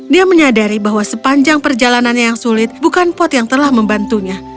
dia menyadari bahwa sepanjang perjalanannya yang sulit bukan pot yang telah membantunya